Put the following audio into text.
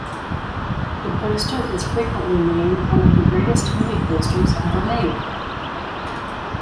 The poster is frequently named one of the greatest movie posters ever made.